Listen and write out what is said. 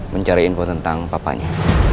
mencari info tentang papanya